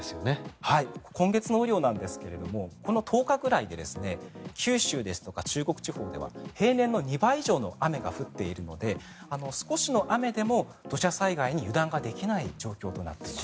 今月の雨量なんですがこの１０日間くらいで九州とか中国地方では平年の２倍以上の雨が降っているので少しの雨でも土砂災害に油断ができない状況となっています。